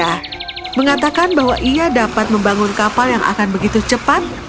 yang ketiga bernama demian mengatakan bahwa ia dapat membangun kapal yang akan begitu cukup